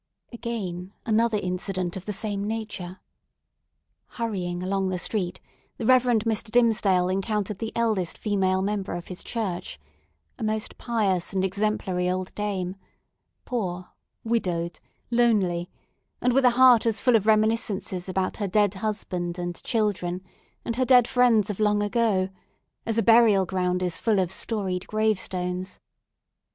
Again, another incident of the same nature. Hurrying along the street, the Reverend Mr. Dimmesdale encountered the eldest female member of his church, a most pious and exemplary old dame, poor, widowed, lonely, and with a heart as full of reminiscences about her dead husband and children, and her dead friends of long ago, as a burial ground is full of storied gravestones.